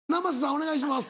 お願いします。